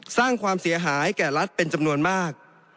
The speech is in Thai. สร้างความเสียหายแก่รัฐเป็นจำนวนมาก